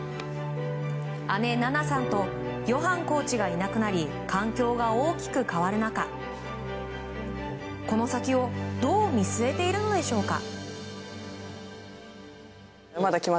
姉・菜那さんとヨハンコーチがいなくなり環境が大きく変わる中この先をどう見据えているのでしょうか。